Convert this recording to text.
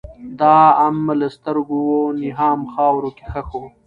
دام له سترګو وو نیهام خاورو کي ښخ وو